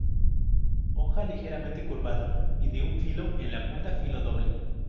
Hoja ligeramente curvada y de un filo, en la punta filo doble.